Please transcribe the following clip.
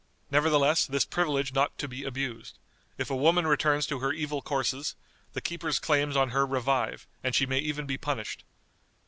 Nevertheless, this privilege not to be abused. If a woman returns to her evil courses, the keeper's claims on her revive, and she may even be punished.